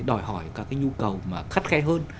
đòi hỏi các cái nhu cầu khắt khe hơn